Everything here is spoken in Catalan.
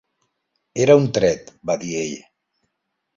"Era un tret", va dir ell.